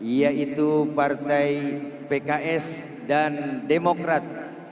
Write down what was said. yaitu partai pks dan demokrat